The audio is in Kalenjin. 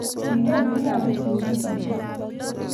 kigeer bik ab misrii pusishek